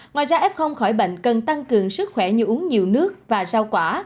ngoài ra f khỏi bệnh cần tăng cường sức khỏe như uống nhiều nước và rau quả